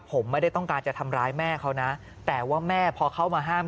ผมไม่ได้ต้องการจะทำร้ายแม่เขานะแต่ว่าแม่พอเข้ามาห้าม